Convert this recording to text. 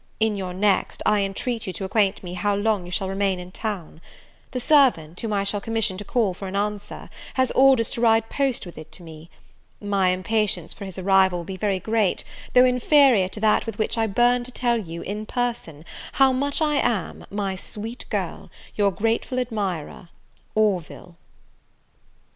In your next I intreat you to acquaint me how long you shall remain in town. The servant, whom I shall commission to call for an answer, has orders to ride post with it to me. My impatience for his arrival will be very great, though inferior to that with which I burn to tell you, in person, how much I am, my sweet girl, your grateful admirer, "ORVILLE."